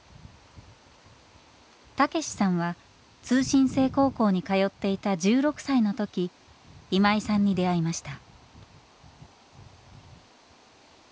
たけしさんは通信制高校に通っていた１６歳の時今井さんに出会いました。